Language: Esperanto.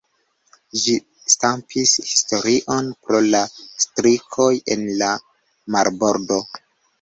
Ĝi stampis historion pro la strikoj en la Marbordo.